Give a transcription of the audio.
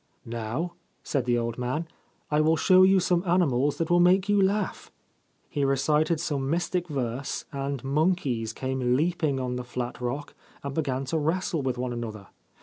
' Now,' said the old man, < I will show you some animals that will make you laugh/ He recited some mystic verse, and monkeys came leaping on the flat rock and began to wrestle with one another.